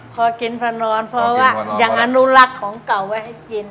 พอกินพอนอนเพราะว่ายังอนุรักษ์ของเก่าไว้ให้กิน